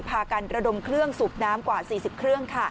พากันระดมเครื่องสูบน้ำกว่า๔๐เครื่อง